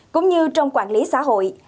cũng như trong quản lý xã hội